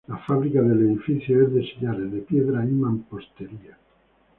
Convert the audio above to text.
La fábrica del edificio es de sillares de piedra y mampostería.